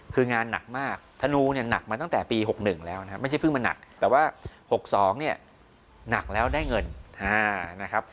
คืองานหนักมากธนูเนี่ยหนักมาตั้งแต่ปี๖๑แล้วนะครับไม่ใช่เพิ่งมาหนักแต่ว่า๖๒เนี่ยหนักแล้วได้เงินนะครับ